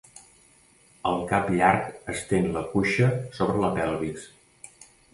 El cap llarg estén la cuixa sobre la pelvis.